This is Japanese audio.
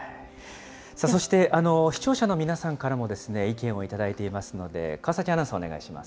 そして視聴者の皆さんからも意見を頂いていますので、川崎アナウンサーお願いします。